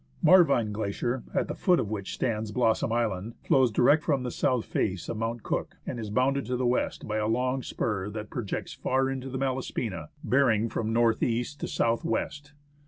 Marvine Glacier, at the foot of which stands Blossom Island, flows direct from the south face of Mount Cook, and is bounded to the west by a long spur that projects far into the Malaspina, bearing from north east to south west.